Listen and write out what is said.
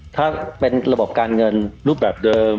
ถ้าเป็นระบบการเงินรูปแบบเดิม